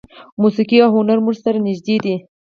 موسیقي او هنر مو سره نږدې دي.